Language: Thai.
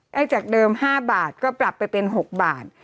จากเดิม๕บาทก็ปรับไปเป็น๖บาท